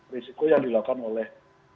risiko yang dilakukan oleh